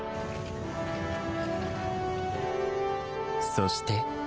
そして